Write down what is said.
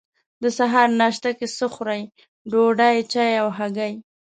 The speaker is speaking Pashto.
د سهار ناشته کی څه خورئ؟ ډوډۍ، چای او هګۍ